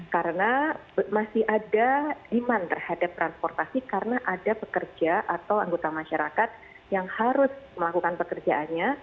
karena masih ada demand terhadap transportasi karena ada pekerja atau anggota masyarakat yang harus melakukan pekerjaannya